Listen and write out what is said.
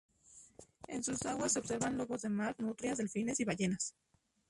En sus aguas se observan lobos de mar, nutrias, delfines y ballenas.